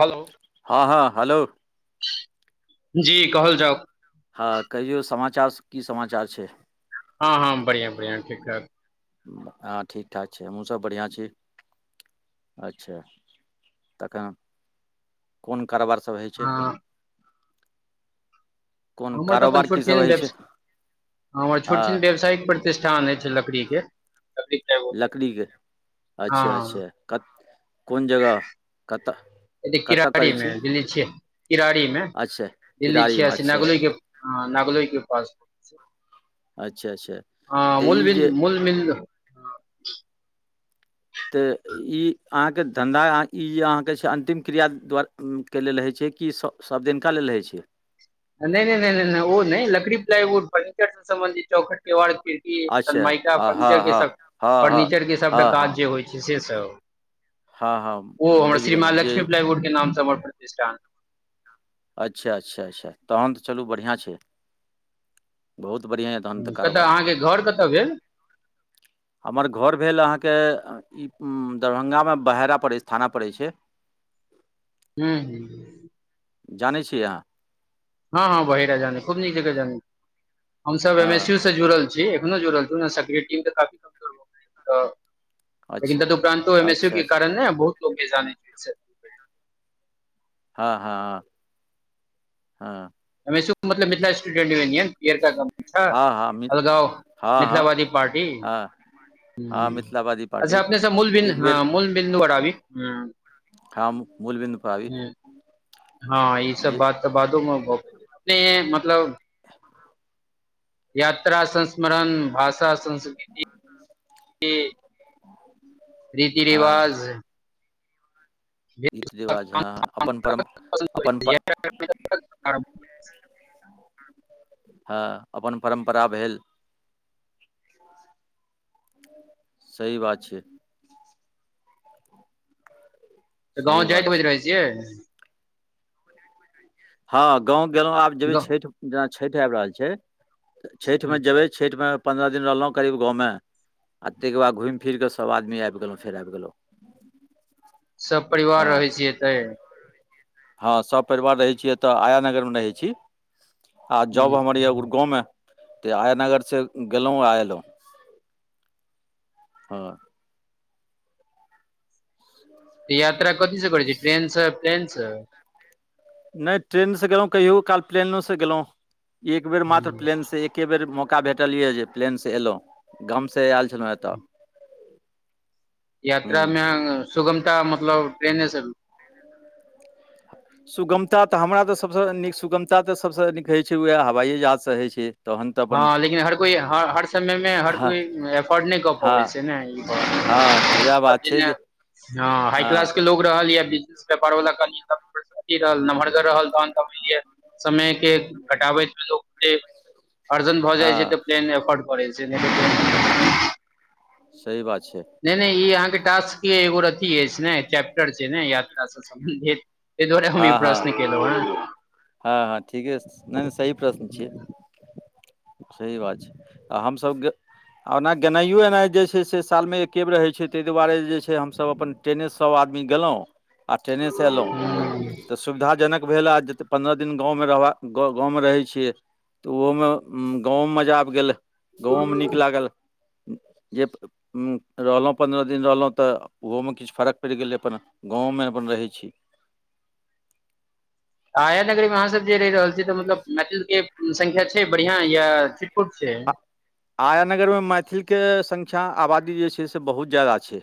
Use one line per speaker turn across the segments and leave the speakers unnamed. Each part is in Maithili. हलो।
हां-हां हलो।
जी कहल जाउ।
हां कहियौ समाचार, की समाचार छै।
हां हम बढ़ियां-बढ़ियां ठीक-ठाक।
हां ठीक-ठाक छै, हमु सब बढ़ियाँ छी। अच्छा तखन कोन कारबार सब हय छै।
हँ
कोन
हमर तऽ अपन
कारोबार की सभ
छोट-छीन
होइ छै
व्यवस, हमर छोट-छीन
हँ
व्यवसायिक प्रति तिष्ठान हय छै लकड़ी के, लकड़ी के एगो
लकड़ी के,
हँ
अच्छा-अच्छा कत कोन जगह कतऽ
अयदे
कतऽ
किरारी
करै
मे
छी
दिल्ली छियै किरारी मे
अच्छा
दिल्ली
किरारीमे
छियासी
अच्छा
नागलो के हां नागले के पास
अच्छा अच्छा
हां
तऽ
मूल
ई
भी
जे
मूल मिल।
तऽ ई अहाँ के धन्धा अहाँ ई अहाँके छै अन्तिम क्रिया द्वार उम्म के लेल हय छै कि स सब दिनका लेल हय छै।
नै-नै-नै-नै ओ नै लकड़ी प्लायवुड फर्नीचर से सम्बंधित चौखट, केवाड़ के [unintelligible]
अच्छा
सनमायका
हँ हँ
फर्नीचर के
हँ
सब,
हँ हँ
फर्नीचर के सबटा
हँ हँ
काज जे होय छै से
हँ
सब। ओ
हँ
हमर
बुझि
श्री
गेलहुँ
माँ
जे
लक्ष्मी प्लायवुड के नाम से हमर प्रतिष्ठान
अच्छा-अच्छा-अच्छा तहन तऽ चलु बढ़ियाँ छै। बहुत बढ़ियाँ
हुं, कतऽ अहाँके घर कतऽ भेल।
[inaudible] हमर घर भेल अहाँके ई उम्म दरभंगा मे बहरा पड़ै छै, थाना पड़ै छै।
हूं हू हूं।
जानै छियै अहाँ?
हँ हँ बहेरा जानी खूब नीक जकां जानी। हम सब एम एस
हँ
सी जुड़ल छी एखनो जुड़ल छी, सकरीय टीम तऽ काफी कमजोर भ गेलै तऽ
अच्छा
लेकिन तदुपरानतो एम एस सी यो
अच्छा
के
अच्छा
कारण ने बहुत लोक के जानै छै।
हँ हँ हँ हँ
अमेशो के मतलब मिथिला [unintelligible] पीयरका गमछा
हँ हँ मि
अलगाव
हँ हँ
मिथिलावादी पार्टी।
हँ हँ
हं
मिथिलावादी
अच्छा
पार्टी
अपने सब मूल बीन
एक
ह मूल बिन्दू पर आबी हूं।
खम मूल बिन्दु पर आबी।
हँ ई सब
जे
बात तऽ बादो मे भऽ सकैत, अपने मतलब यात्रा संस्मरण, भाषा संस्कृति के रीति
हँ
रिवाज
रीति रिवाज हंअ अपन परम - अपन पर
[inaudible]
हँअ अपन परम्परा भेल। सही बात छै।
तऽ गाँव
सही
जाइत
बात छै
होइत रहै छियइ?
हँ गाँव गेलौ आब जेबै छैठ - जेना छैठ आएब रहल छैय छैठ मे जेबै
अच्छा
छैठ मे पंन्द्रह दिन रहलौ करीब गाॅंव मे आ तयके बाद घुइम -फिरके सब आदमी आइब गेलौ फेर आइब गेलौ।
सब परिवार
हँ
रहय छियइ एतैय?
हँ सब परिवार रहै छी एतऽ आया नगर मे रहै छी। आ जौब हमर य गुडगांव में त आया नगर से गेलौ आ एलौ। हअ
तऽ यात्रा कथी से करै छी ट्रेन से प्लेन से?
नै ट्रेन से गेलौं कहियो काल प्लेनो से गेलौं एक बेर मात्र प्लेन से एक एके बेर मौका भेटल ये जे प्लेन से एलौ गाम से आएल छलहुँ एतऽ।
यात्रा
हूँ
मे सुगमता मतलब ट्रेने से
सुगमता तऽ हमरा तऽ सब सँ नीक सुगमता तऽ सब सँ नीक हइ छै उएह हवाइये जहाज सँ हइ छैय।
हँ लेकिन हर कोइ हर -हर समय मे हर
हँ
कोइ एफोर्ड नै कऽ पबै
हँ
छै ने।
हँ उएह बात छै
जेना
जे
हँ हाय क्लास के लोग रहल या बिच पेपर बला कनी अथी रहल नमहरगर रहल तहन तऽ बुझलियै समय के घटाबैत लोक के अर्जन भऽ जाय छै
हँ
तऽ प्लेन एफोर्ड करै छै नै त
सही बात छै।
नैय नैय ई अहाँ के टास्क के एगोर अथी अइछ ने चैप्टर छै ने यात्रा से सम्बंधित। ऐ दुआारे हम ई
हँ हँ
प्रश्न केलौ हें।
हँ हँ ठीकेस नैय -नैय सही प्रश्न छियइ। सही बात छै आ हम सब ग आ ओना गेनाइयो एनाइयो जे छै से साल मे एकेबेर रहै छै तइ दुआरे जे छै हम सब अपन ट्रेने से सब आदमी गेलौ आ ट्रेने से एलौ तऽ सुविधा जनक भेल आ पन्द्रह दिन गाँव मे रहब आ गाँव मे रहय छियइ तऽ ओहोमे गाँवो मे मजा आब गेल। सोम नीक लागल ये उं रहलौ पंन्द्रह दिन रहलौ त, ओहोमे किछ फर्क पैड़ गेल अपन गाँव में अपन रहै छी।
आया नगरी मे अहाँ सब जे रैह रहल छि, त मतलब मैथिल के संख्या छै बढ़ियां या छिटपुट छय।
आ आया नगर मे मैथिल के संख्या आबादी जे छै से बहुत ज्यादा छय।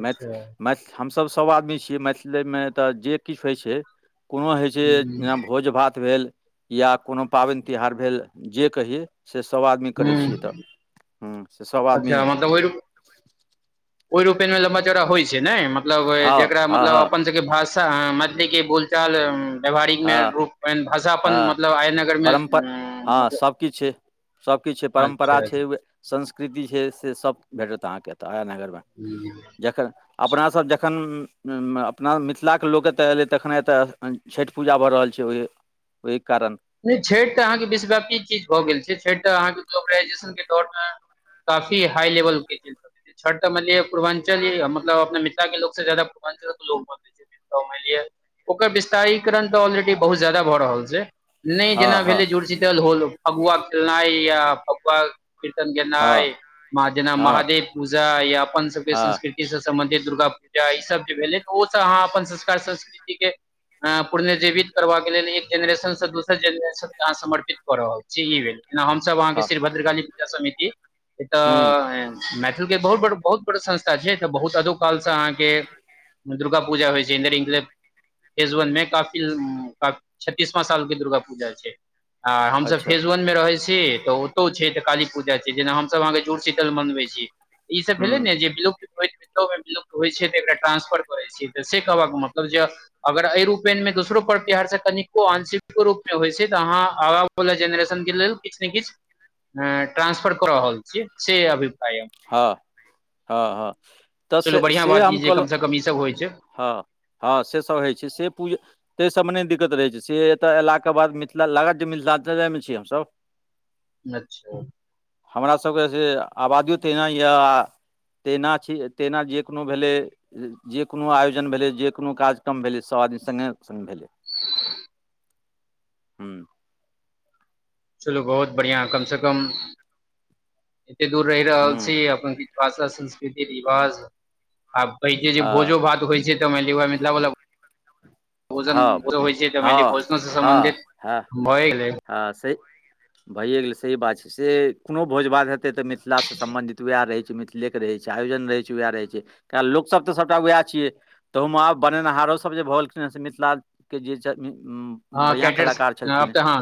अच्छा हूँ
हम सब- सब आदमी छियै मैथिलेमे, तऽ जे किछ होय छय कोनो हय छै जेना भोज -भात भेल या कोनो पाबैन- तिहार भेल जे कहीयै से सब आदमी करै छियै
हूँ
तऽ, हू से सब आदमी क-
ओय रूपेन मे लम्बा -चौड़ा होय छै नय, मतलब
हँ
जेकरा
हँ
मतलब
हँ
अपन ओतऽ के भाषा अहाँ, मैथिली के बोलचाल व्यावहारिक मे,
हँ
रूप मे, भाषापन
हँ
मतलब आय नगर मे
हँ
मतलब
सब किछ छै। सब किछ छैय, परम्परा
अच्छा
छैय, संस्कृति छैय, से सब भेटत अहाँके एतऽ आया नगर मे।
हुम्म।
जखन अपना सब जखन अपना मिथिला के लोक एतऽ एलै, तखने एतऽ छैठ पूजा भऽ रहल छय ओय -ओय कारण
नै छठि तऽ अहाँके विश्वव्यापी चीज भऽ गेल छै, छठि तऽ अहाँके ग्लोबराइजेशन के दौर में काफी हाई लेवल के छै सब। छठ त मान लिअ पूर्वांचली मतलब, अपन मिथिला के लोक से जादा पूर्वांचलक के लोग मनबै छै। त मानलिय ओकर विस्तारीकरण तऽ ऑलरेडी बहुत जादा भऽ रहल छै। नै जेना
हँ हँ
भेलै जूड़शीतल होल फगुआ खेलनाइ या फगुआ कीर्तन
हँ
गेनाइ, जेना
हँ
महादेव पूजा या अपन सबके
हँ
संस्कृति ति से सम्बंधित दुर्गा पूजा ई सब जे भेलै, तऽ ओसब अहाँ अपन संस्कार संस्कृति के हा पुनर्जिवित करबाक के लेल एक जनरेशन से दोसर जेनरेशन के अहाँ समर्पित कऽ रहल छी ई भेलै, जेना हमसब अहाँके
हँ
श्री भद्रकाली पूजा समिति एकटा
हूँ
ऐ मै बहुत बहुत बड़ा संस्था छै बहुत अदौ काल सँ अहाँके उ दुर्गा पूजा होइ छै, र इंगे फेज वन मे काफी छ्तीसवा साल दुर्गा पूजा छै आ हमसब
अच्छा
फेज वन बन न इसरहै छी तऽ ओतो छै तऽ काली पूजा छै, जेना हमसब अहाँके जुड़ शीतल मनबै छी ई सब भेलै
हूँ
ने जे लोक कोई विलुप्त होइत छै तऽ एकरा ट्रांसफर करै छि तऽ से कहबाक मतलब जे अगर एहि रूपेन मे दोसरो पर्त्यहार से कनिको आंशिक कों रूपमे होइ छै, तऽ अहाँ आबय वला जेनरेशन के लेल किछ ने किछ ट्रांसफर कऽरहल छि, से अभिप्राय यऽ
हँ-हँ-हँ तऽ
चलू
से
बढ़ियां
से
बात ई
हम
जे
कहलौ
कम से कम ई सब होइ छै
हँ हँ सेसब होइ छै से पूजा। तै सबमे नहि दिक्कत रहै छै, से एत ऐलाके बाद मिथिला लागत जे मिथिलांञ्चले मे छी हमसब।
अच्छा।
हमरा सबके से आबादियो तहीना यए आ तेना छी तेना जे कोनो भेलै जे कोनो आयोजन भेलै, जे कोनो कार्यक्रम भेलै सब आदमी संगे- संगे भेलै।
[inaudible]
हू।
चलू बहुत बढ़ियां कम से कम एते दूर रहि रहल
ह्म
छी अपन भाषा, संस्कृति, रिवाज आ कहै छियै जे
हँ
भोजो भात होइ छैय तऽ मान लिअ मिथिला वला भोजन
हँ
होइ छैय तऽ मान लिअ
हँ
भोजनो से सम्बन्धित भए गेलै।
आ से भैए गेल सही बात छै से कोनो भोज भात हेतै तऽ मिथिला सँ सम्बंधित उएह रहै छैय मिथ लेके रहै छैय आयोजन रहै छैय उएह रहै छैय कए लोकसभ तऽ सबटा उएह छियै। तहुमे आब बनेनिहारोसब जे भऽ गेलखिन हँ से मिथिलाके जे छै।
हँ
बढ़िआ
कैटर्स
कलाकार छलखिन
आब
है।
तऽ हँ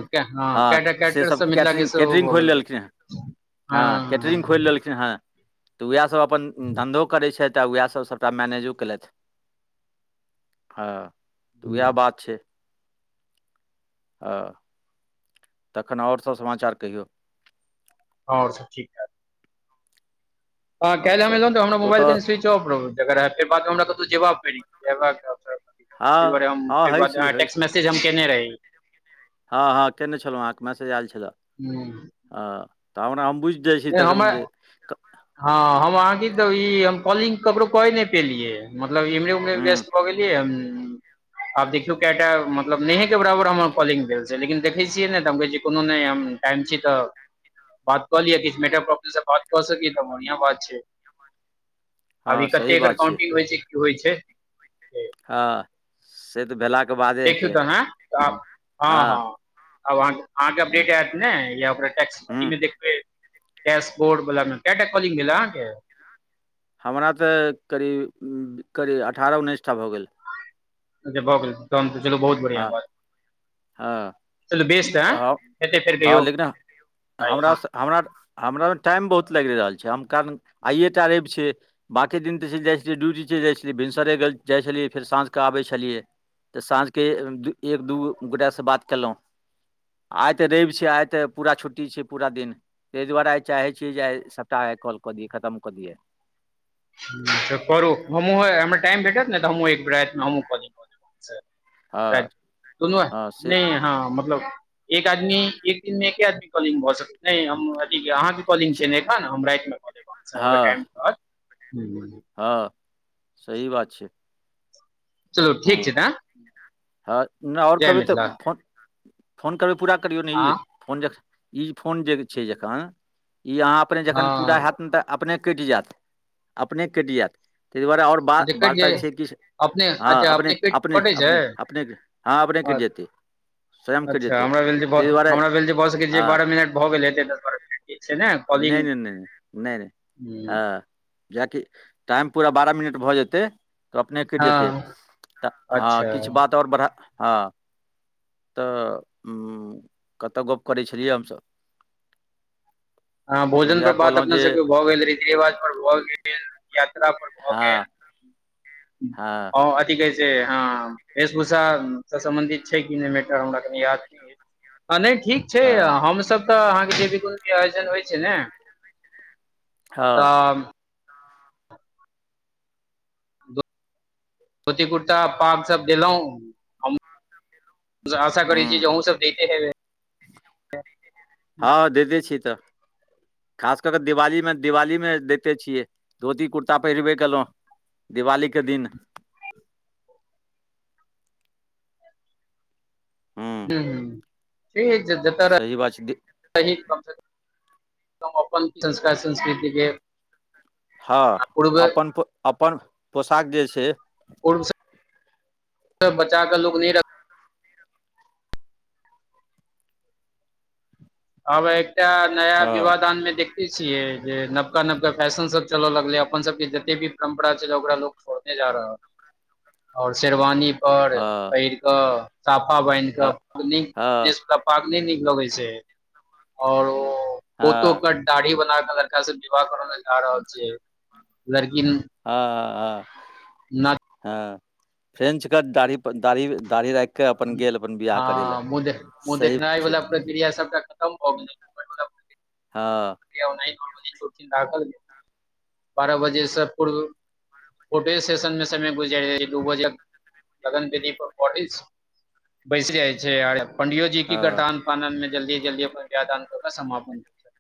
हँ
कैटर
से
कैटर्स
सब
मिथिला के
कैटरिंग-
सेहो
कैटरिंग
भऽ
खोलि
गेल
लेलखिन है। हँ कैटरिंग खोएल लेलखिन है तऽ उएह सब अपन धन्धो करै छथि आ उएह सब सब सबटा मैनेजो केलेथ हँ तऽ वएह बात छैय। हँ तखन और सब समाचार कहियौ।
और सब ठीक ठाक। ह काएल
अच्छा
एलौ तऽ हमरा मोबाइल
ओतय
सिच च्ड ऑफ रहो ओकर बाद हमरा कतौ जबाब परी जेबाक तहि
हँ
दुआरे हम
हँ
एक
होइ
बार
छै
अहाँके
होइ छै
टेक्स्ट मैसेज हम केने रही।
हँ हँ केने छलहुँ अहाँके मैसेज आयल छलए
नहि
हँ तऽ हमरा हम बुझ जाय छी तखन
हमरा
जे त
हँ हम अहाँके त ई हम कॉलिंग ककरो कऽ नै पेलियै। मतलब इमरे उमरे मे
हँ
व्यस्त भ गेलियै आब देखियौ केटा मत लब नैहे के बराबर हम कॉलिंग देब लेकिन देखै छियै ने त हम भेल जे कोनो नै हम टाइम छी तऽ बात कऽ लिय की मेगाप्र से बात क सकी त बढ़िया बात छैय। अभ
हँ
ई कते
सही
एकर
बात छै
काउंटिंग होइ छैय की होइ छैय।
हँ से तऽ भेला
देखियौ तऽ अहाँ हँ हँ अब अहाँ अहाँके अपडेट आयत। नय या ओकरा टैक्स पी
हँ
मे देखबई डैश बोर्ड वला मे केटा कॉलिंग भेल अहाँ के।
हमरा तऽ करीब-करीब अठारह उन्नैसटा भऽ गेल।
भऽ गेल तहन त चलु बहुत बढ़िया
हँ
बात।
हँ
चलू बेस त
हँ
एते फेर
हँ
कहियो
लेकिन
[unintelligible]
हमरा हमरा टाइम बहुत लाइग रहल छैय हम कारण आइए टा रैव छैय। बाँकी दिन तऽ चैलजाइ छलै ड्यूटी चलि जाइ छलियै भिनसरेगर जाइ छलियै फेर साँझ कऽ आबै छलियै। तऽ साँझके एक दू गोटासँ बात केलोउ। आइ तऽ रैब छैय आइ तऽ पूरा छुट्टी छैय पूरा दिन। तहि दुआरे चाहे छियै जेइ सपटा के कॉल कऽ दियै खतम कऽ दिये।
ह तऽ करू हमहुँ हमरा टाइम भेटत ने तऽ हमहूँ एक बेर रातिमे हमहूँ कऽ देब।
हँ
तुनु
हँ से
नहि हँ मतलब एक आदमी एक दिनमे एके आदमी कॉलिंग भऽ सकते नय हम ठीक अहाँके कॉलिंग छैय ने एखन हम रैत मे कऽ देब कॉल टाइम
हँ
पर
हँ सही बात छैय।
चलू ठीक छै
हँ
तऽ
हँ न और
जय
कभी तऽ
मिथिला
फोन फोन करबै पूरा करियौ न ये।
हँ
फोन जखन ई फोन जे छैय जखन ई अहाँ अपने जखन पूरा
हँ
हैत ने तऽ अपने कटि जाएत। अपने कटि जाएत, ताहि दुआरे आओर बा
अच्छा कटि
वार्ता जे
जाय
छै किछु
अपने
हँ
अच्छा अपने कटि कटैत छै?
अपने अपने हँ अपने
अ
कटि जेतै स्वयं कटि
अच्छा,
जेतै
हमरा भेल जे भऽ
ताहि दुआरे
हमरा भेल जे भऽ सकै
हँ
बारह मिनट भऽ गेल हेतै दस-बारह मिनट। जे छै ने
नहि
कॉलिंग
नहि नहि नहि, नहि नहि। हँ। जाँय कि टाइम पूरा बारह मिनट भऽ जेतै, तऽ अपने कटि जेतै।
हँ
तऽ हँ,
अच्छा
किछु बात आओर बढ़ा- हँ। तऽ उम्म कतय गप्प करैत छलियै हमसभ?
हँ
तऽ उएह
भोजनपर बात
कहलहुँ
अपना
जे
सभके भऽ गेल, रीति-रिवाजपर भऽ गेल। यात्रापर भऽ
हँ
गेल। हँ अथि कहैत छै से हँ। वेशभूषासँ सम्बन्धित छै कि नहि मैटर हमरा कनि याद नहि अछि। हँ नहि ठीक छै,
हँ
हमसभ तऽ अहाँके जे भी कोनो भी आयोजन होइत छै ने
हँ
तब धोती-कुर्ता, पागसभ देलहुँ, हम आशा करैत छी
हँ
जे अहुँ सभ दैते हेबै।
हँ, दैते छियै तऽ। खास कऽ कऽ दिवालीमे दिवालीमे दैते छियै। धोती-कुर्ता पहिरबे केलहुँ। दिवालीके दिन। ह्मम।
ह्मम, ठीक छै जतय रह
सही बात छै दि
रही कमसँ कम हम अपन संस्कार संस्कृतिके
हँ, अपन पो अपन पोशाक जे छै
[unintelligible] सभ बचा कऽ लोक नहि रख आब एकटा नया
हँ
विवाह-दानमे देख देखैत छियै, जे नवका नवका फैशन सभ चलय लगलै अपन सभके जतेक भी परम्परा छलए, ओकरा लोक छोड़ने जा रहल आओर शेरवानी पर
हँ
पहिर कऽ साफा बान्हि
हँ
कऽ [unintelligible]
हँ
घुनेशसभ पाग नहि नीक लगैत छै और ओ
हँ
पोतोके दाढ़ी बना कऽ लड़का सभ विवाह करय लेल जा रहल छै लड़की न्
ह ह
ना
हँ, फ्रेंच कट दाढ़ी पर दाढ़ी दाढ़ी राखि के अपन गेल अपन बिआह
हँ
करय लए।
मुँह देख मुँह
सही
देखनाइ
बात छै
वला प्रक्रिया सभटा खतम भऽ गेलैक।
हँ।
[unintelligible] बारह बजेसँ पूर्व फोटोए सेशन मे समय गुजारि एक-दू बजे तक तखन वेदीपर अबैत छै। बैसि जाइत छै आर पण्डिओ जी की
हँ
करताह, आनन-फाननमे जल्दी-जल्दी अपन बिआह-दान कऽ कऽ समापन। हो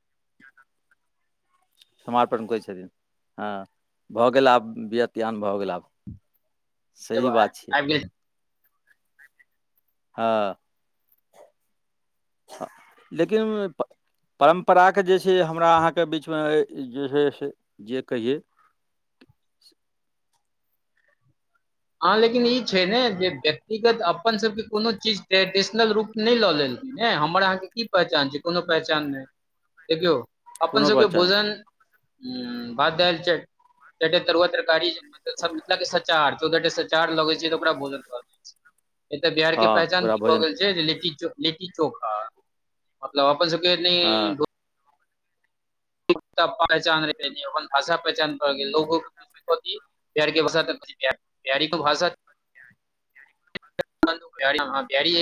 समापन करैत छथिन। हँ, भऽ गेल आब बिआह-दान भऽ गेल आब।
जब
सही बात
आबि
छियै
आबि गेल
हँ। लेकिन ओहिमे प परम्पराके जे छै हमरा अहाँके बीचमे जे छै से जे कहियै।
हँ, लेकिन ई छै ने जे व्यक्तिगत अपन सभके कोनो चीज ट्रेडिशनल रूप नै लऽ लेलखिन नै हमर अहाँ के की पहचान छै, कोनो पहचान नै देखियौ अपन
कोनो
सबके
पहचान
भोजन उम्म भात, दाएल चाएर चाएरटा तरुआ, तरकारी सब मिथला के सचार त ओतबाटा सचार लगै छै तऽ ओकरा भोजन कहल जाय छै, एता बिहार
हँ
के पहचान
ओकरा
की भऽ गेल
भोजनके
छै लिट्टी चो लिट्टी चोखा मतलब अपन सबके नै
हँ
[unintelligible] पहचान [unintelligible] नै उ अपन भाषा पहचान भ गेल, लोगो के कथी बिहार के [unintelligible] बिहार बिहारी के भाषा [unintelligible] हां बिहारी